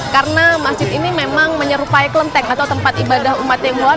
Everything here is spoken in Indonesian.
karena masjid ini memang menyerupai klemtek atau tempat ibadah umat yang luar